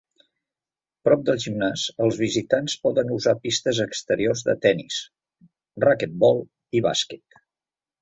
Prop del gimnàs, els visitants poden usar pistes exteriors de tenis, raquetbol i bàsquet.